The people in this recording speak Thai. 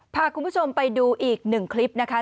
พาคุณผู้ชมไปดูอีกหนึ่งคลิปนะคะ